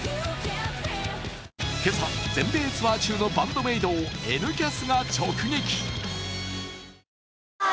今朝、全米ツアー中のＢＡＮＤ−ＭＡＩＤを「Ｎキャス」が直撃。